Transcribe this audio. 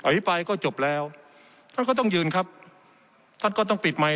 อภัยก็จบแล้วท่านก็ต้องยืนครับท่านก็ต้องปิดใหม่